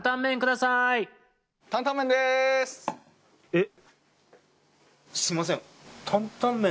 えっ？